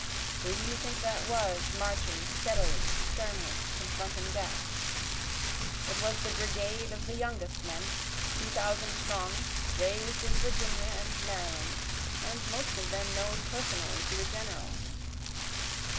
Who do you think that was marching steadily sternly confronting death? It was the brigade of the youngest men, two thousand strong, Rais'd in Virginia and Maryland, and most of them known personally to the General.